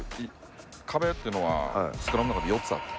壁っていうのはスクラムの中で４つあって。